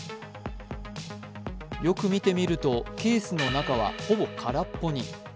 よく見てみると、ケースの中はほぼ空っぽに。